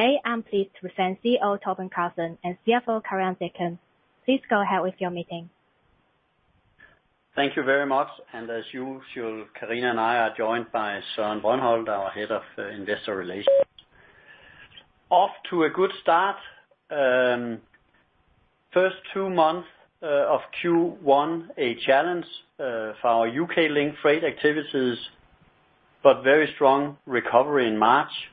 Today, I'm pleased to present CEO Torben Carlsen and CFO Karina Deacon. Please go ahead with your meeting. Thank you very much. As usual, Karina and I are joined by Søren Brøndholt, our Head of Investor Relations. Off to a good start. First two months of Q1, a challenge for our U.K. link freight activities, very strong recovery in March.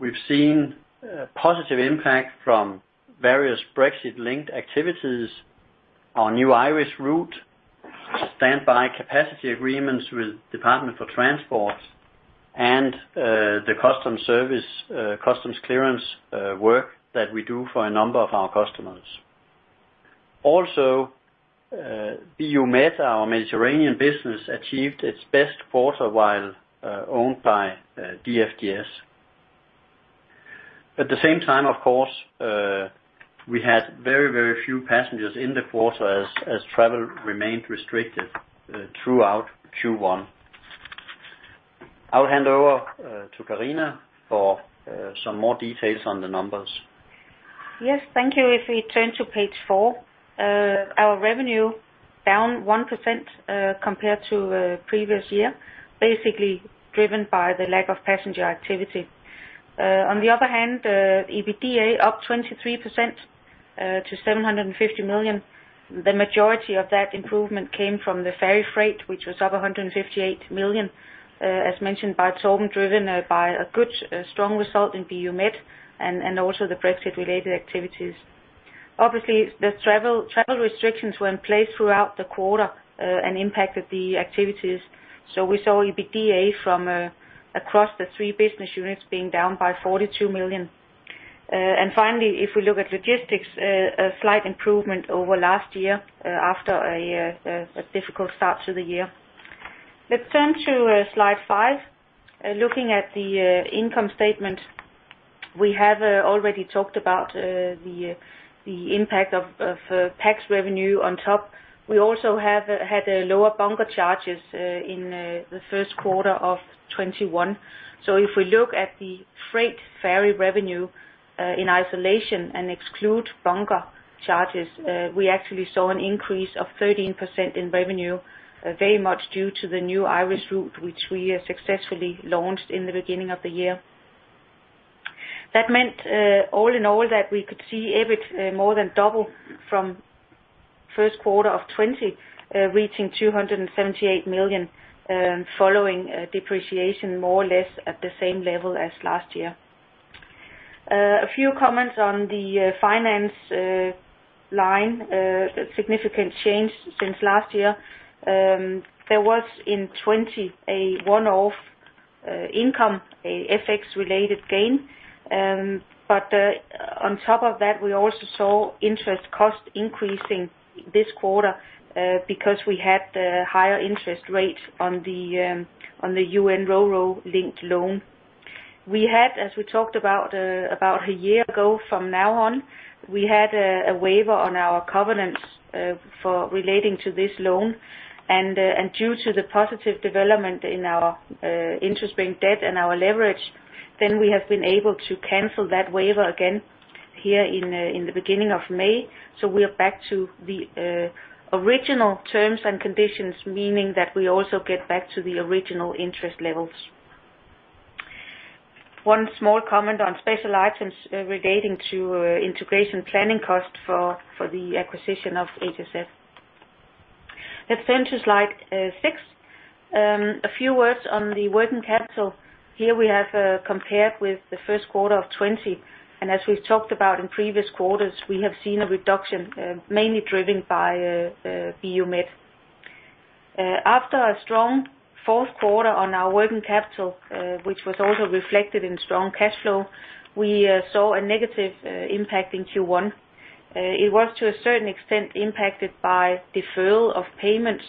We've seen a positive impact from various Brexit-linked activities. Our new Irish route, standby capacity agreements with Department for Transport, the customs clearance work that we do for a number of our customers. Also, BU Med, our Mediterranean business, achieved its best quarter while owned by DFDS. At the same time, of course, we had very few passengers in the quarter as travel remained restricted throughout Q1. I'll hand over to Karina for some more details on the numbers. Yes, thank you. If we turn to page four, our revenue down 1% compared to previous year, basically driven by the lack of passenger activity. On the other hand, EBITDA up 23% to 750 million. The majority of that improvement came from the ferry freight, which was up 158 million, as mentioned by Torben, driven by a good strong result in BU Med and also the Brexit-related activities. Obviously, the travel restrictions were in place throughout the quarter, and impacted the activities. So, we saw EBITDA from across the three business units being down by 42 million. Finally, if we look at logistics, a slight improvement over last year, or after a year, a difficult start to the year. Let's turn to slide five. Looking at the income statement, we have already talked about the impact of pax revenue on top. We also have had lower bunker charges in the first quarter of 2021. If we look at the freight ferry revenue, in isolation and exclude bunker charges, we actually saw an increase of 13% in revenue, very much due to the new Irish route, which we successfully launched in the beginning of the year. That meant, all in all, that we could see EBIT more than double from first quarter of 2020, reaching 278 million, following depreciation more or less at the same level as last year. A few comments on the finance line. A significant change since last year. There was, in 2020, a one-off income, a FX related gain. On top of that, we also saw interest cost increasing this quarter, because we had the higher interest rates on the U.N. Ro-Ro linked loan. We had, as we talked about a year ago, from now on, we had a waiver on our covenants relating to this loan. Due to the positive development in our interest-bearing debt and our leverage, we have been able to cancel that waiver again here in the beginning of May. We are back to the original terms and conditions, meaning that we also get back to the original interest levels. One small comment on special items relating to integration planning cost for the acquisition of HSF. Let's turn to slide six. A few words on the working capital. Here we have compared with the first quarter of 2020, as we've talked about in previous quarters, we have seen a reduction, mainly driven by BU Med. After a strong fourth quarter on our working capital, which was also reflected in strong cash flow, we saw a negative impact in Q1. It was to a certain extent impacted by deferral of payments.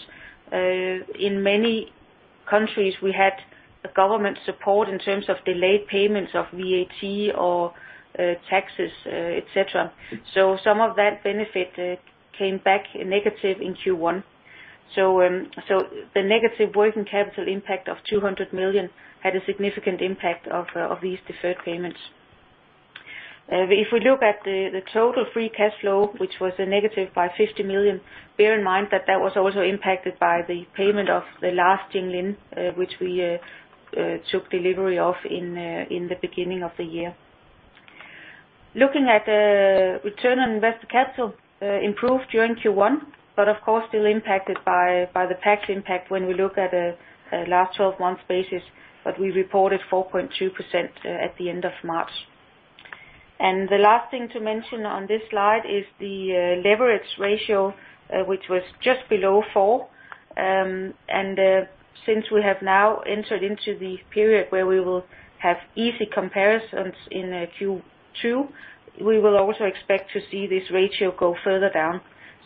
In many countries, we had government support in terms of delayed payments of VAT or taxes, et cetera. Some of that benefit came back negative in Q1. The negative working capital impact of 200 million had a significant impact of these deferred payments. If we look at the total free cash flow, which was a negative by 50 million, bear in mind that was also impacted by the payment of the last Jinling, which we took delivery of in the beginning of the year. Looking at return on invested capital, improved during Q1. Of course still impacted by the pax impact when we look at a last 12 months basis. We reported 4.2% at the end of March. The last thing to mention on this slide is the leverage ratio, which was just below four. Since we have now entered into the period where we will have easy comparisons in Q2, we will also expect to see this ratio go further down.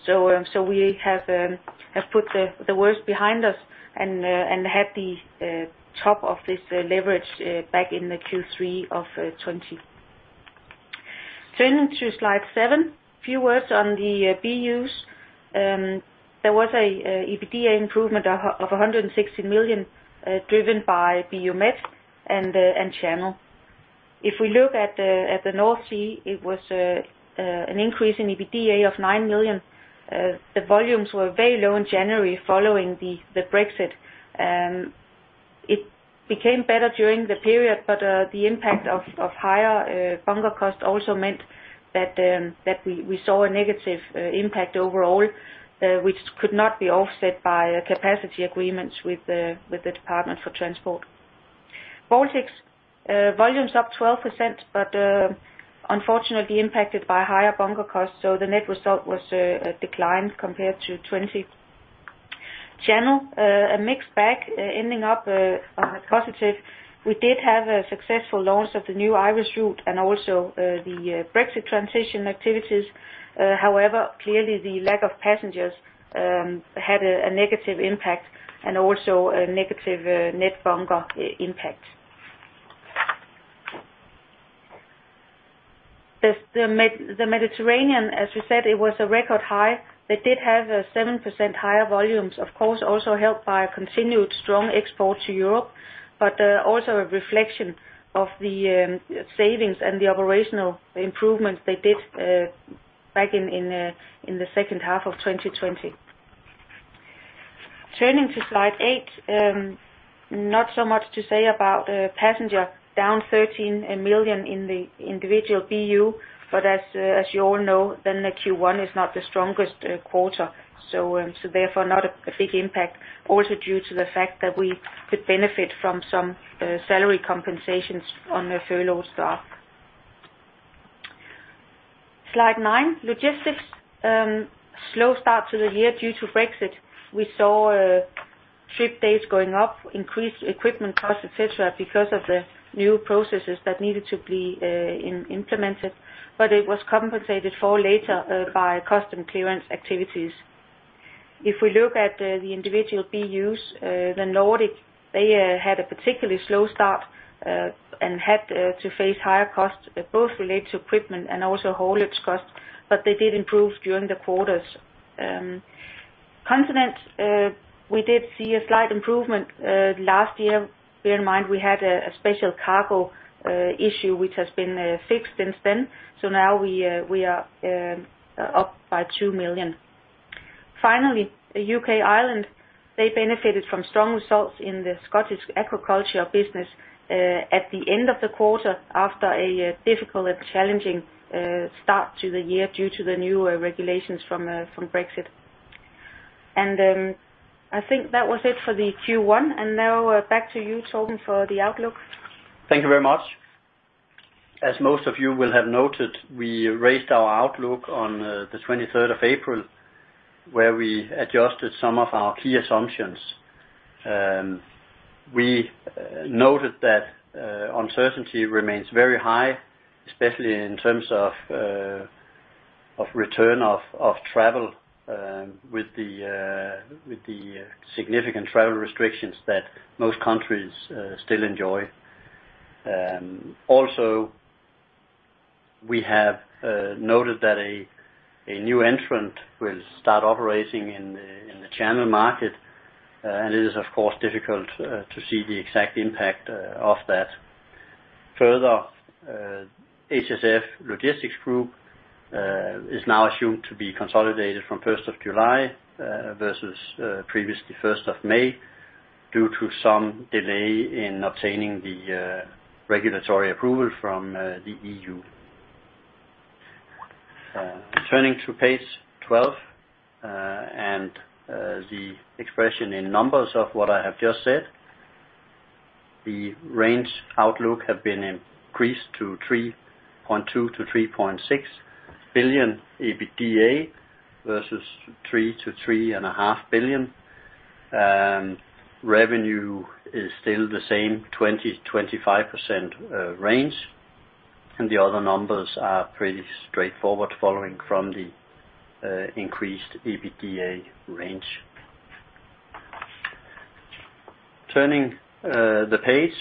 We have put the worst behind us and had the top of this leverage back in the Q3 of 2020. Turning to slide seven, a few words on the BUs. There was an EBITDA improvement of 160 million driven by BU Med and Channel. If we look at the North Sea, it was an increase in EBITDA of 9 million. The volumes were very low in January following the Brexit. It became better during the period, but the impact of higher bunker costs also meant that we saw a negative impact overall, which could not be offset by capacity agreements with the Department for Transport. Baltics volumes up 12%, but unfortunately impacted by higher bunker costs, so the net result was a decline compared to 2020. Channel, a mixed bag ending up positive. We did have a successful launch of the new Irish route and also the Brexit transition activities. However, clearly the lack of passengers had a negative impact and also a negative net bunker impact. The Mediterranean, as we said, it was a record high that did have 7% higher volumes, of course, also helped by a continued strong export to Europe, but also a reflection of the savings and the operational improvements they did back in the second half of 2020. Turning to slide eight, not so much to say about passenger, down 13 million in the individual BU, but as you all know, the Q1 is not the strongest quarter, so therefore not a big impact. Also due to the fact that we could benefit from some salary compensations on the furlough staff. Slide nine, logistics. Slow start to the year due to Brexit. We saw ship days going up, increased equipment costs, et cetera, because of the new processes that needed to be implemented, but it was compensated for later by customs clearance activities. If we look at the individual BUs, the Nordic, they had a particularly slow start, had to face higher costs, both related to equipment and also haulage costs. They did improve during the quarters. Continents, we did see a slight improvement last year. Bear in mind, we had a special cargo issue, which has been fixed since then. Now we are up by 2 million. Finally, UK and Ireland, they benefited from strong results in the Scottish aquaculture business at the end of the quarter after a difficult and challenging start to the year due to the new regulations from Brexit. I think that was it for the Q1. And now, back to you, Torben, for the outlook. Thank you very much. As most of you will have noted, we raised our outlook on the 23rd of April, where we adjusted some of our key assumptions. We noted that uncertainty remains very high, especially in terms of return of travel with the significant travel restrictions that most countries still enjoy. And also, we have noted that a new entrant will start operating in the Channel market, and it is, of course, difficult to see the exact impact of that. HSF Logistics Group is now assumed to be consolidated from 1st of July versus previously 1st of May, due to some delay in obtaining the regulatory approval from the EU. Turning to page 12, the expression in numbers of what I have just said. The range outlook have been increased to 3.2 billion-3.6 billion EBITDA versus 3 billion-3.5 billion. Revenue is still the same, 20%-25% range. The other numbers are pretty straightforward following from the increased EBITDA range. Turning the page,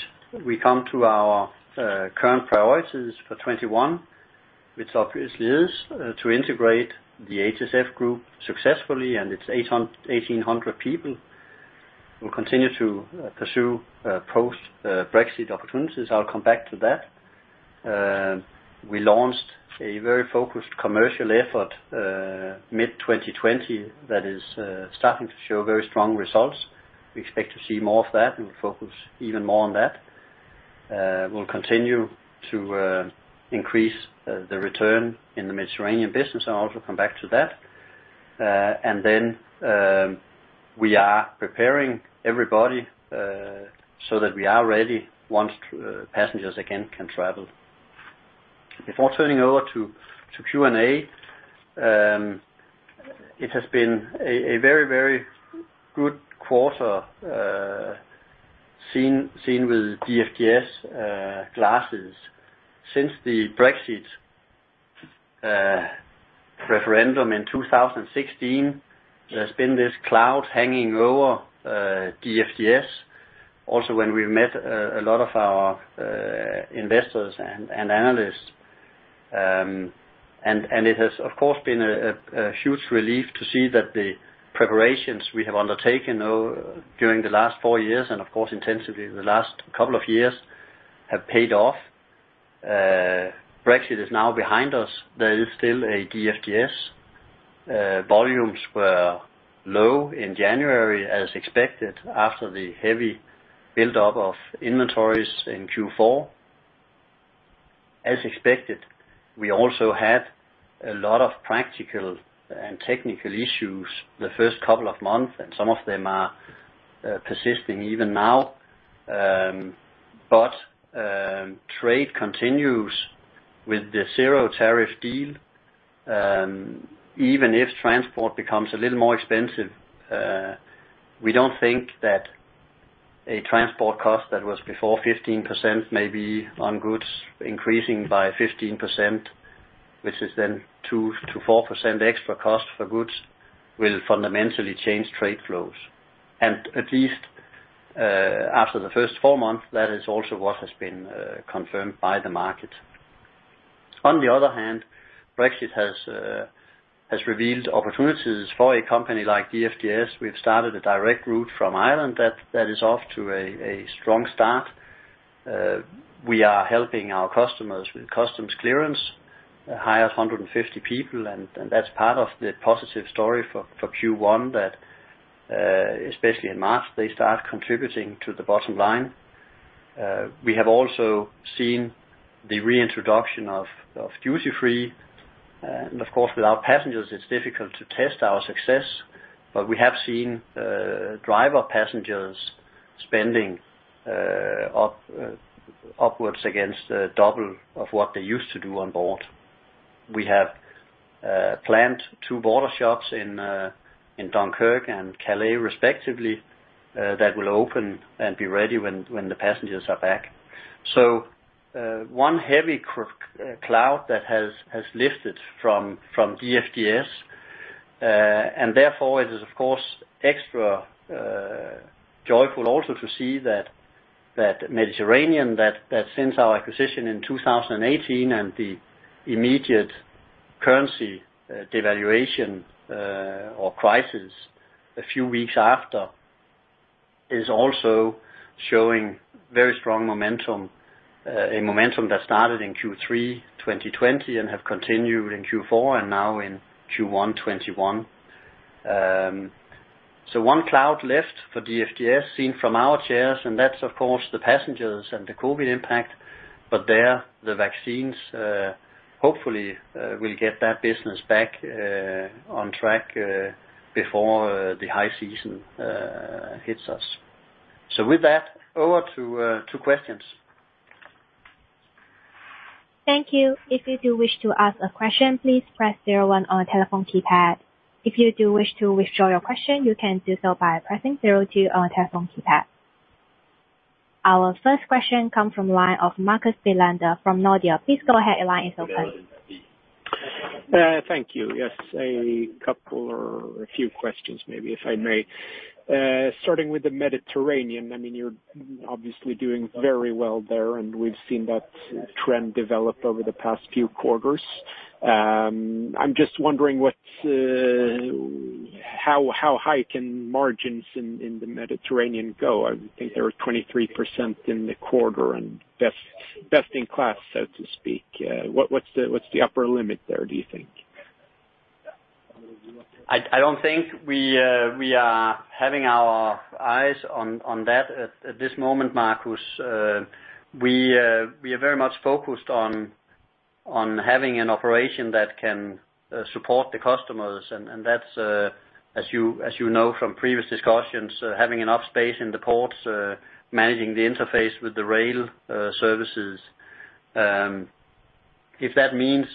we come to our current priorities for 2021, which obviously is to integrate the HSF group successfully and its 1,800 people. We'll continue to pursue post-Brexit opportunities. I'll come back to that. We launched a very focused commercial effort mid-2020 that is starting to show very strong results. We expect to see more of that and we'll focus even more on that. We'll continue to increase the return in the Mediterranean business. I'll also come back to that. We are preparing everybody so that we are ready once passengers again can travel. Before turning over to Q&A, it has been a very good quarter seen with DFDS glasses since the Brexit Referendum in 2016, there's been this cloud hanging over DFDS. When we met a lot of our investors and analysts. It has, of course, been a huge relief to see that the preparations we have undertaken during the last four years, and of course, intensively in the last couple of years, have paid off. Brexit is now behind us. There is still a DFDS. Volumes were low in January, as expected, after the heavy buildup of inventories in Q4. As expected, we also had a lot of practical and technical issues the first couple of months, and some of them are persisting even now. Trade continues with the zero tariff deal, even if transport becomes a little more expensive. We don't think that a transport cost that was before 15%, maybe on goods, increasing by 15%, which is then 2%-4% extra cost for goods, will fundamentally change trade flows. At least, after the first four months, that is also what has been confirmed by the market. On the other hand, Brexit has revealed opportunities for a company like DFDS. We've started a direct route from Ireland that is off to a strong start. We are helping our customers with customs clearance, hired 150 people, and that's part of the positive story for Q1 that, especially in March, they start contributing to the bottom line. We have also seen the reintroduction of duty-free. Of course, without passengers, it's difficult to test our success, but we have seen driver passengers spending upwards against double of what they used to do on board. We have planned two border shops in Dunkirk and Calais respectively, that will open and be ready when the passengers are back. One heavy cloud that has lifted from DFDS. Therefore, it is, of course, extra joyful also to see that Mediterranean, that since our acquisition in 2018, and the immediate currency devaluation or crisis a few weeks after, is also showing very strong momentum. A momentum that started in Q3 2020 and have continued in Q4 and now in Q1 2021. One cloud left for DFDS, seen from our chairs, and that's of course the passengers and the COVID impact. There, the vaccines, hopefully, will get that business back on track before the high season hits us. With that, over to questions. Thank you. If you do wish to ask a question, please press zero one on telephone keypad. If you do wish to withdraw your question, you can do so by pressing zero two on telephone keypad. Our first question come from line of Marcus Bellander from Nordea. Please go ahead, your line is open. Thank you. Yes, a couple or a few questions, maybe, if I may. Starting with the Mediterranean, you're obviously doing very well there, and we've seen that trend develop over the past few quarters. I'm just wondering how high can margins in the Mediterranean go? I think they were 23% in the quarter and best in class, so to speak. What's the upper limit there, do you think? I don't think we are having our eyes on that at this moment, Marcus. We are very much focused on having an operation that can support the customers. That's, as you know from previous discussions, having enough space in the ports, managing the interface with the rail services. If that means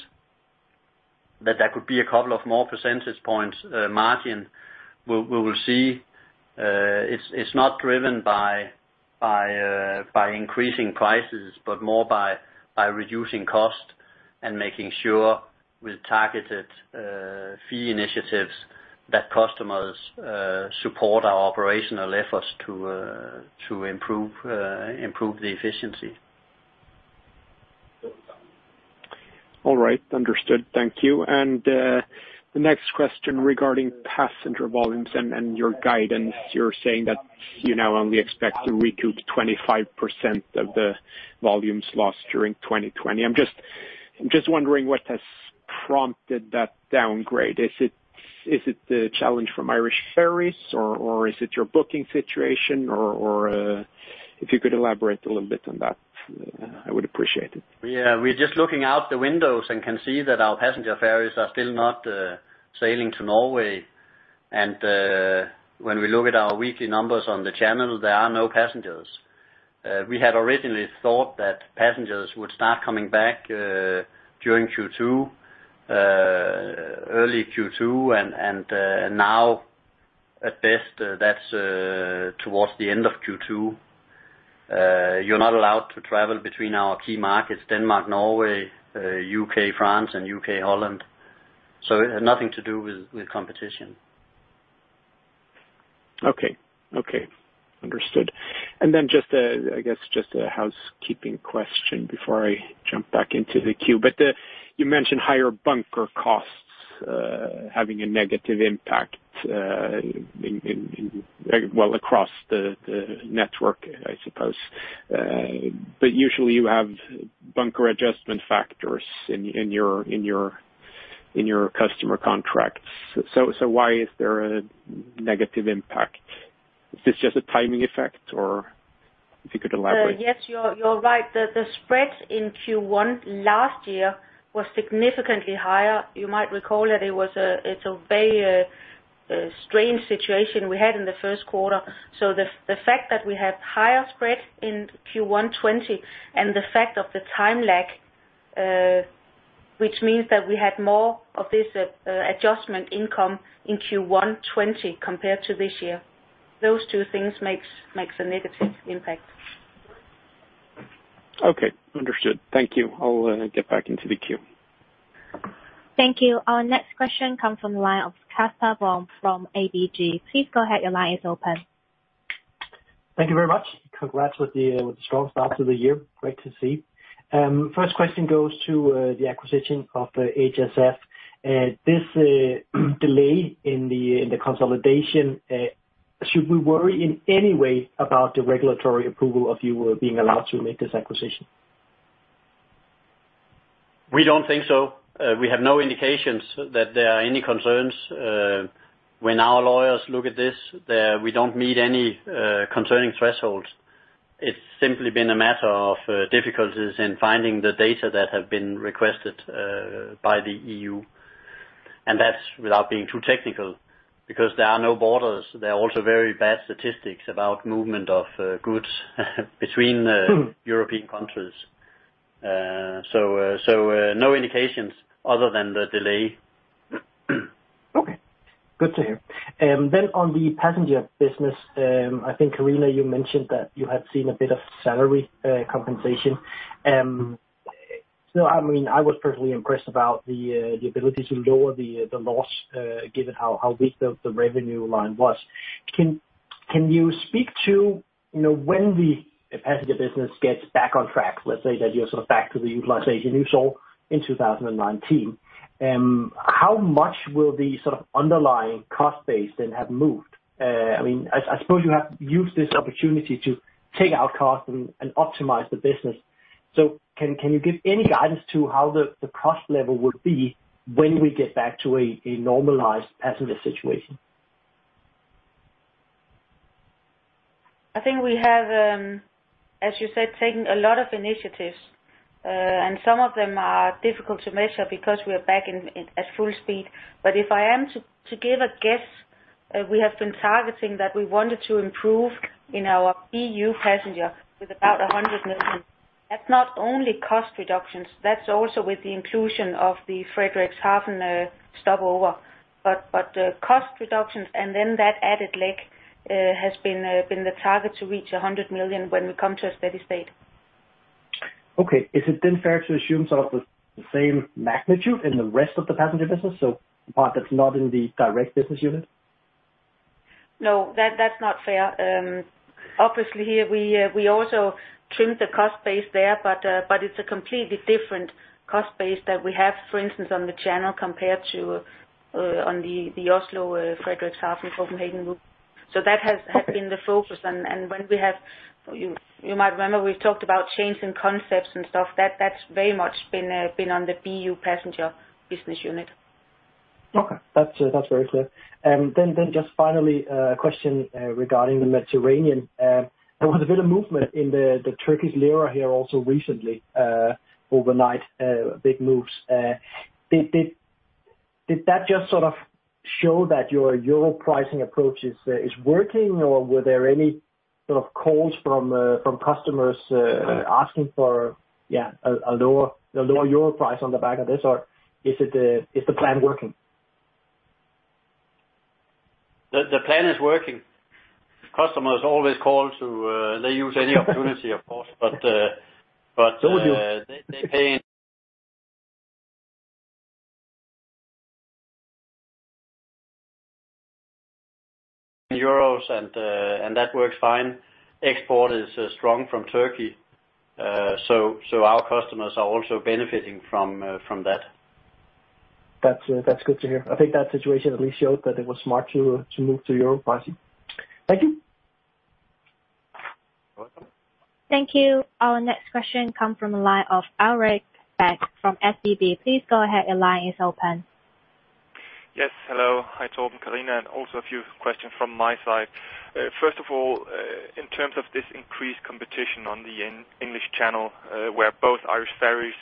that there could be a couple of more percentage points margin, we will see. It's not driven by increasing prices, but more by reducing cost and making sure with targeted fee initiatives that customers support our operational efforts to improve the efficiency. All right. Understood. Thank you. The next question regarding passenger volumes and your guidance. You're saying that you now only expect to recoup 25% of the volumes lost during 2020. I'm just wondering what has prompted that downgrade. Is it the challenge from Irish Ferries or is it your booking situation or if you could elaborate a little bit on that, I would appreciate it. Yeah. We're just looking out the windows and can see that our passenger ferries are still not sailing to Norway. When we look at our weekly numbers on the channel, there are no passengers. We had originally thought that passengers would start coming back during Q2, early Q2, and now, at best, that's towards the end of Q2. You're not allowed to travel between our key markets, Denmark, Norway, U.K., France, and U.K., Holland. It had nothing to do with competition. Okay. Understood. I guess just a housekeeping question before I jump back into the queue. You mentioned higher bunker costs having a negative impact, well, across the network, I suppose. Usually you have bunker adjustment factors in your customer contracts. Why is there a negative impact? Is this just a timing effect, or if you could elaborate? Yes, you're right. The spreads in Q1 last year were significantly higher. You might recall that it's a very strange situation we had in the first quarter. The fact that we had higher spreads in Q1 2020 and the fact of the time lag, which means that we had more of this adjustment income in Q1 2020 compared to this year. Those two things makes a negative impact. Okay. Understood. Thank you. I'll get back into the queue. Thank you. Our next question comes from the line of Casper Blom from ABG. Please go ahead, your line is open. Thank you very much. Congrats with the strong start to the year. Great to see. First question goes to the acquisition of HSF. This delay in the consolidation, should we worry in any way about the regulatory approval of you being allowed to make this acquisition? We don't think so. We have no indications that there are any concerns. When our lawyers look at this, we don't meet any concerning thresholds. It's simply been a matter of difficulties in finding the data that have been requested by the EU. That's without being too technical, because there are no borders. There are also very bad statistics about movement of goods between European countries. No indications other than the delay. Okay, good to hear. On the passenger business, I think, Karina, you mentioned that you have seen a bit of salary compensation. I was personally impressed about the ability to lower the loss given how weak the revenue line was. Can you speak to when the passenger business gets back on track? Let's say that you're back to the utilization you saw in 2019. And how much will the underlying cost base then have moved? I mean, I suppose you have used this opportunity to take out costs and optimize the business. Can you give any guidance to how the cost level would be when we get back to a normalized passenger situation? I think we have, as you said, taken a lot of initiatives. Some of them are difficult to measure because we're back at full speed. If I am to give a guess, we have been targeting that we wanted to improve in our EU passenger with about 100 million. That's not only cost reductions, that's also with the inclusion of the Frederikshavn stopover. Cost reductions and then that added leg has been the target to reach 100 million when we come to a steady state. Is it then fair to assume sort of the same magnitude in the rest of the passenger business, so the part that's not in the direct business unit? No, that's not fair. Obviously here we also trimmed the cost base there, but it's a completely different cost base that we have, for instance, on the channel compared to on the Oslo, Frederikshavn, Copenhagen route. That has been the focus, and when we have, you might remember we've talked about changing concepts and stuff, that's very much been on the BU passenger business unit. Okay. That's very clear. Just finally, a question regarding the Mediterranean. There was a bit of movement in the Turkish lira here also recently, overnight big moves. Did that just sort of show that your Euro pricing approach is working, or were there any sort of calls from customers asking for a lower euro price on the back of this, or is the plan working? The plan is working. Customers always call to, they use any opportunity of course. Told you. They pay in Euros, and that works fine. Export is strong from Turkey. Our customers are also benefiting from that. That's good to hear. I think that situation at least showed that it was smart to move to Euro pricing. Thank you. Welcome. Thank you. Our next question come from the line of Ulrik Bak from SEB, please go ahead, your line is open. Yes, hello. Hi Torben, Karina. Also a few questions from my side. First of all, in terms of this increased competition on the English Channel, where both Irish Ferries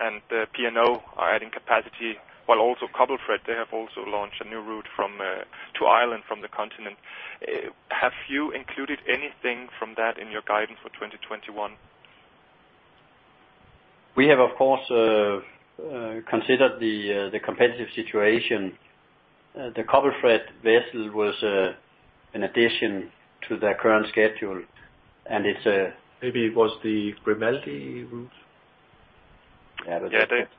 and P&O are adding capacity, while also Cobelfret, they have also launched a new route to Ireland from the continent. Have you included anything from that in your guidance for 2021? We have, of course, considered the competitive situation. The Cobelfret vessel was an addition to their current schedule, and it's a. Maybe it was the Grimaldi route. Yeah. Yeah, thanks.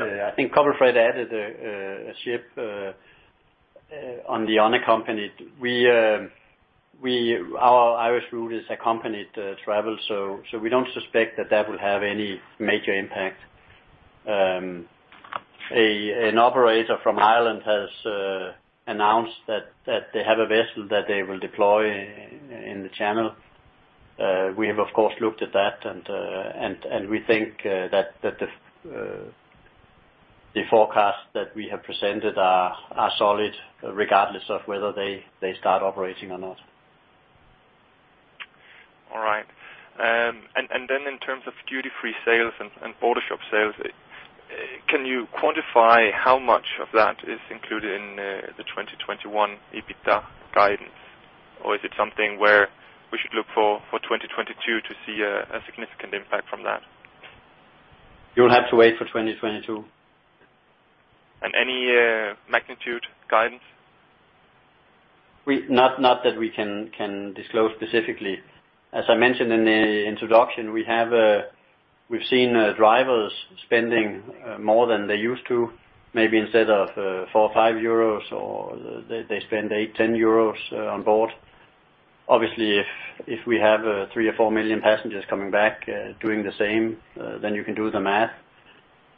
I think Cobelfret added a ship on the unaccompanied. Our Irish route is accompanied travel, we don't suspect that that will have any major impact. An operator from Ireland has announced that they have a vessel that they will deploy in the channel. We have, of course, looked at that, we think that the forecast that we have presented are solid regardless of whether they start operating or not. All right. Then in terms of duty-free sales and border shop sales, can you quantify how much of that is included in the 2021 EBITDA guidance? Is it something where we should look for 2022 to see a significant impact from that? You'll have to wait for 2022. Any magnitude guidance? Not that we can disclose specifically. As I mentioned in the introduction, we've seen drivers spending more than they used to. Maybe instead of 4 or 5, they spend a 10 euros on board. Obviously, if we have 3 or 4 million passengers coming back doing the same, then you can do the math.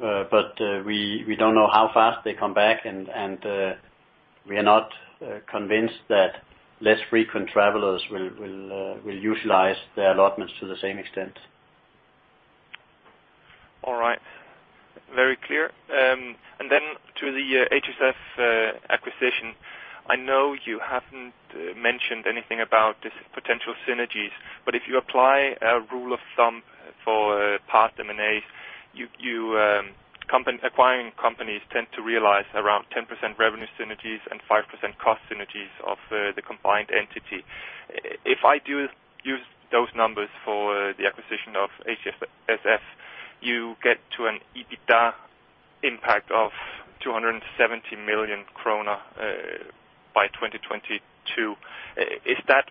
We don't know how fast they come back, and we are not convinced that less frequent travelers will utilize their allotments to the same extent. All right. Very clear. Then to the HSF acquisition. I know you haven't mentioned anything about this potential synergies, if you apply a rule of thumb for past M&As, acquiring companies tend to realize around 10% revenue synergies and 5% cost synergies of the combined entity. If I do use those numbers for the acquisition of HSF, you get to an EBITDA impact of 270 million krone by 2022. Is that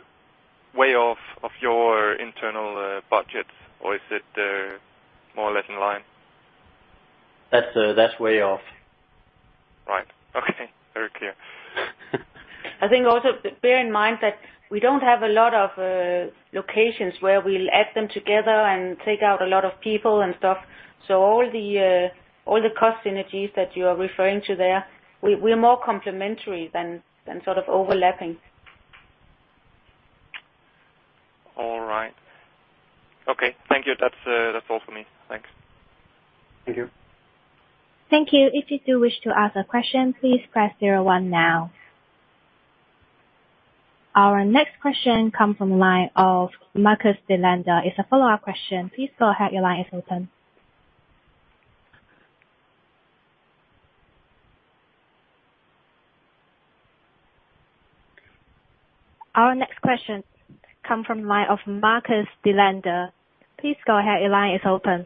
way off of your internal budgets or is it more or less in line? That's way off. Right. Okay. Very clear. I think also bear in mind that we don't have a lot of locations where we'll add them together and take out a lot of people and stuff. All the cost synergies that you are referring to there, we're more complimentary than sort of overlapping. All right. Okay. Thank you. That's all for me. Thanks. Thank you. Thank you. Our next question comes from the line of Marcus Bellander. It's a follow-up question. Please, go ahead. Your line is open. Our next question comes from the line of Marcus Bellander. Please, go ahead. Your line is open.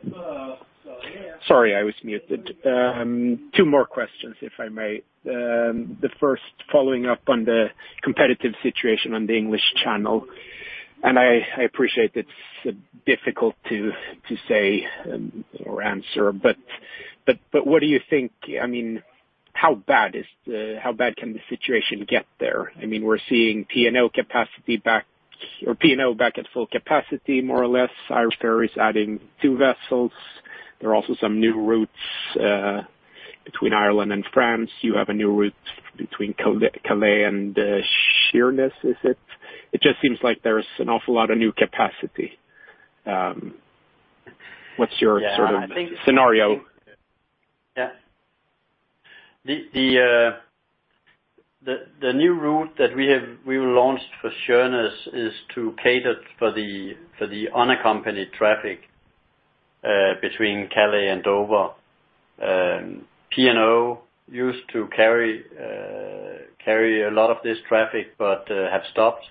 Sorry, I was muted. Two more questions, if I may. The first following up on the competitive situation on the English Channel, and I appreciate it's difficult to say or answer, but what do you think? How bad can the situation get there? We're seeing P&O back at full capacity, more or less. Irish Ferries adding two vessels. There are also some new routes between Ireland and France. You have a new route between Calais and Sheerness, is it? It just seems like there's an awful lot of new capacity. What's your sort of scenario? Yeah, I think. Yeah. The new route that we launched for Sheerness is to cater for the unaccompanied traffic between Calais and Dover. P&O used to carry a lot of this traffic but have stopped.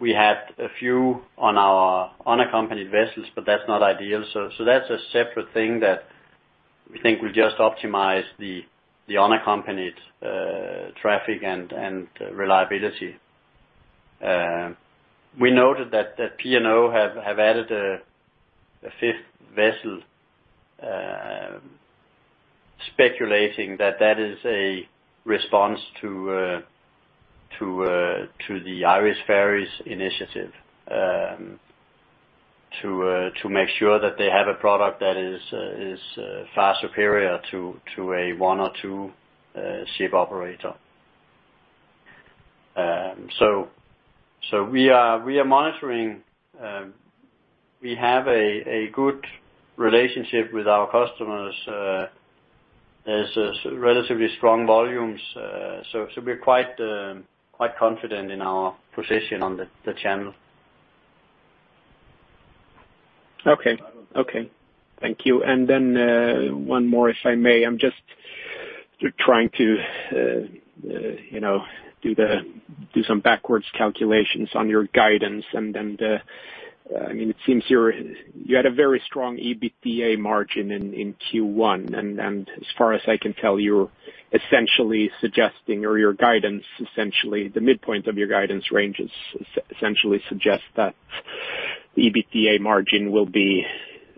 We had a few on our unaccompanied vessels, but that's not ideal. That's a separate thing that we think will just optimize the unaccompanied traffic and reliability. We noted that P&O have added a fifth vessel, speculating that that is a response to the Irish Ferries initiative, to make sure that they have a product that is far superior to a one or two ship operator. We are monitoring. We have a good relationship with our customers. There's relatively strong volumes. We're quite confident in our position on the channel. Okay. Thank you. Then one more, if I may. I'm just trying to do some backwards calculations on your guidance and it seems you had a very strong EBITDA margin in Q1, and as far as I can tell, you're essentially suggesting, or your guidance essentially, the midpoint of your guidance ranges essentially suggests that the EBITDA margin will be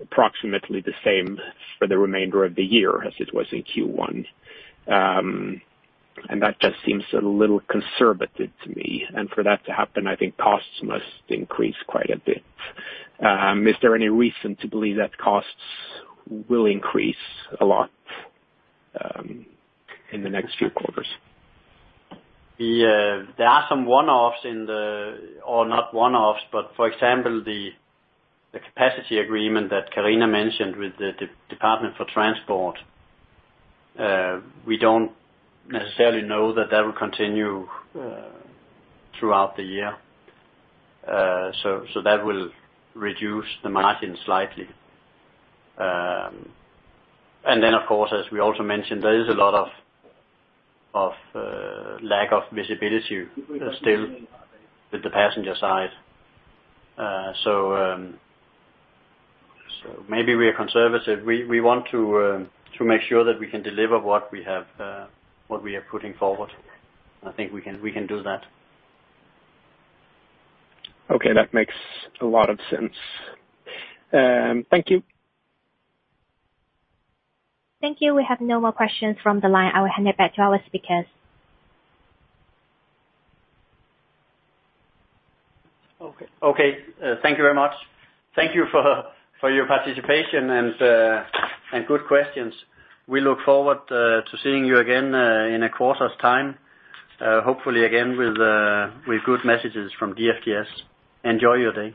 approximately the same for the remainder of the year as it was in Q1. That just seems a little conservative to me. For that to happen, I think costs must increase quite a bit. Is there any reason to believe that costs will increase a lot in the next few quarters? There are some one-offs in the Or not one-offs, but for example, the capacity agreement that Karina mentioned with the Department for Transport, we don't necessarily know that, that will continue throughout the year. That will reduce the margin slightly. Of course, as we also mentioned, there is a lot of lack of visibility still with the passenger side. Maybe we are conservative. We want to make sure that we can deliver what we are putting forward. I think we can do that. Okay. That makes a lot of sense. Thank you. Thank you. We have no more questions from the line. I will hand it back to our speakers. Okay. Thank you very much. Thank you for your participation and good questions. We look forward to seeing you again in a quarter's time, hopefully again with good messages from DFDS. Enjoy your day.